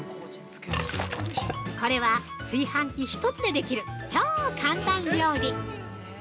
これは炊飯器１つでできる超簡単料理。